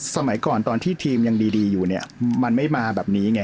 สมัยก่อนตอนที่ทีมยังดีอยู่เนี่ยมันไม่มาแบบนี้ไง